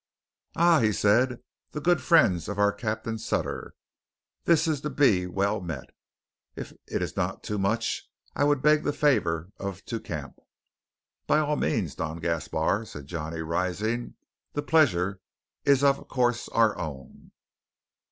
"Ah," said he, "the good friends of our Capitan Sutter! This is to be well met. If it is not too much I would beg the favour of to camp." "By all means, Don Gaspar," said Johnny rising. "The pleasure is of course our own."